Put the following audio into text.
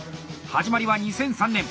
始まりは２００３年。